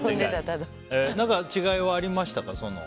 違いはありましたか？